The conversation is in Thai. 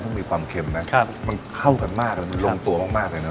ต้องมีความเค็มนะครับมันเข้ากันมากมันลงตัวมากเลยเนอะ